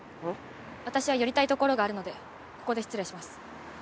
私は寄りたいところがあるのでここで失礼します。